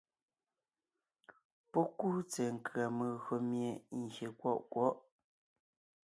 Pɔ́ kúu tsɛ̀ɛ nkʉ̀a megÿò mie gyè kwɔʼ kwɔ̌ʼ.